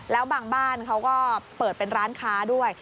แล้วบางบ้านเขาก็เปิดเป็นร้านค้าด้วย